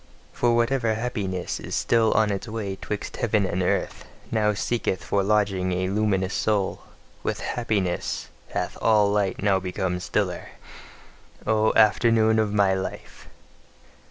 For whatever happiness is still on its way 'twixt heaven and earth, now seeketh for lodging a luminous soul: WITH HAPPINESS hath all light now become stiller. O afternoon of my life!